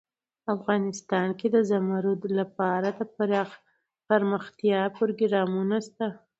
افغانستان کې د زمرد لپاره دپرمختیا پروګرامونه شته.